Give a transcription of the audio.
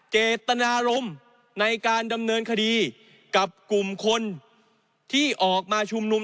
เจตนารมณ์ในการดำเนินคดีกับกลุ่มคนที่ออกมาชุมนุม